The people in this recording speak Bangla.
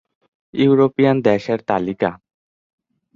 ইউরোপীয়ান দেশের তালিকা